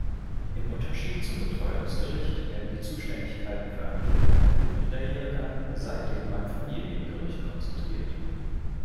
Im Unterschied zum Betreuungsgericht werden die Zuständigkeiten für Angelegenheiten Minderjähriger seitdem beim Familiengericht konzentriert.